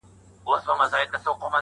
• چي یې سرونه د بګړۍ وړ وه -